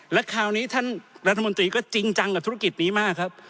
และคราวนี้ท่านรัฐมนตรีก็จริงจังกับธุรกิจนี้มากครับ